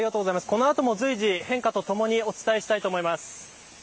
この後も随時、変化とともにお伝えしたいと思います。